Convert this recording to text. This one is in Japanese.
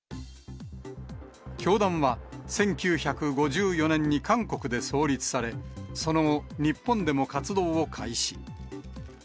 教団は１９５４年に韓国で創立され、その後、日本でも活動を開始。